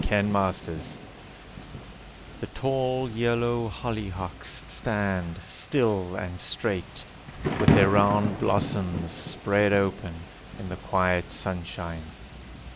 Rochester The tall yellow hollyhocks stand, Still and straight, With their round blossoms spread open, In the quiet sunshine.